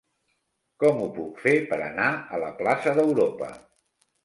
Com ho puc fer per anar a la plaça d'Europa?